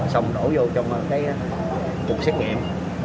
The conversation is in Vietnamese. xong đổ vô trong cái cục xét nghiệm